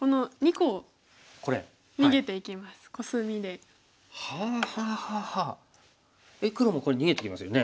黒もこれ逃げてきますよね。